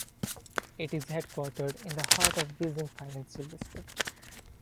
It is headquartered in the heart of Beijing financial district.